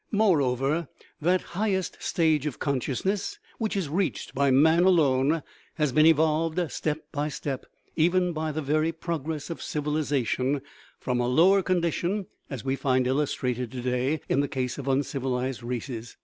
Moreover, that highest stage of consciousness, which is reached by man alone, has been evolved step by step even by the very progress of civilization from a lower condition, as we find illustrated to day in the case of uncivilized races.